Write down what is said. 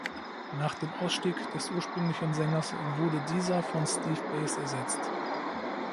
Nach dem Ausstieg des ursprünglichen Sängers wurde dieser von Steve Bays ersetzt.